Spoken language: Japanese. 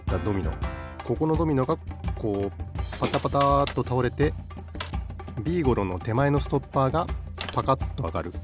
ここのドミノがこうパタパタッとたおれてビーゴローのてまえのストッパーがパカッとあがる。